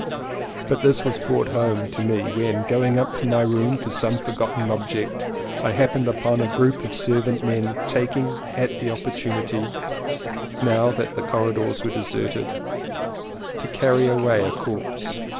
But this fact was brought home to me when, going up to my room for some for gotten object, I happened upon a group of servant men taking the opportunity, now that the corridors were deserted, to carry away a corpse.